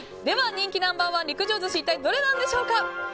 では、人気ナンバー１陸上寿司一体、どれなんでしょうか。